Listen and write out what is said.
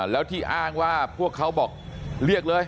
แล้วที่อ้างว่าพวกเขาบอกเรียกเลย